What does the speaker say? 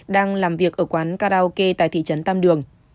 đang làm việc ở quán karaoke tại thị trấn tam đường